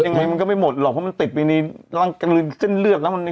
ยังไงมันก็ไม่หลบเหรอเพราะมันติดไปในขึ้นเส้นเลือกนะ